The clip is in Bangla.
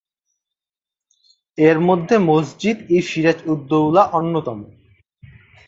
এর মধ্যে মসজিদ-ই-সিরাজ উদ-দৌলা অন্যতম।